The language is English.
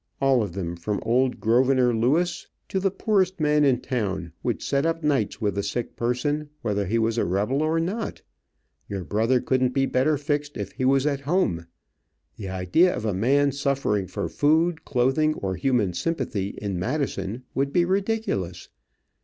All of them, from old Grovernor Lewis, to the poorest man in town, would set up nights with a sick person, whether he was a rebel or not. Your brother couldn't be better fixed if he was at home. The idea of a man suffering for food, clothing, or human sympathy in Madison, would be ridiculous.